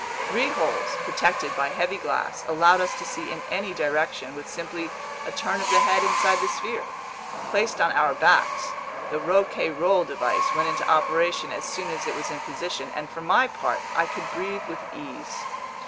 Three holes, protected by heavy glass, allowed us to see in any direction with simply a turn of the head inside the sphere. Placed on our backs, the Rouquayrol device went into operation as soon as it was in position, and for my part, I could breathe with ease.